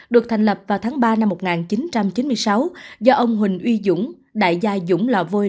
được thành lập vào tháng ba năm một nghìn chín trăm chín mươi sáu do ông huỳnh uy dũng đại gia dũng lò vôi